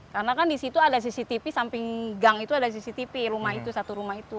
karena kan di situ ada cctv samping gang itu ada cctv rumah itu satu rumah itu